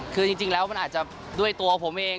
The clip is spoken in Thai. คือจริงแล้วมันอาจจะด้วยตัวผมเอง